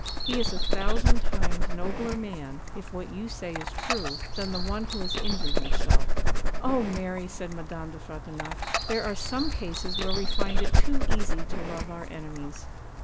He is a thousand times nobler man, if what you say is true, than the one who has injured you so.' 'Oh, Mary,' said Madame de Frontignac, 'there are some cases where we find it too easy to love our enemies.